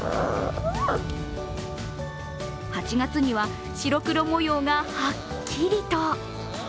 ８月には、白黒模様がはっきりと。